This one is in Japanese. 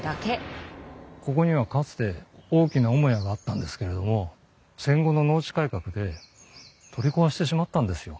ここにはかつて大きな主屋があったんですけれども戦後の農地改革で取り壊してしまったんですよ。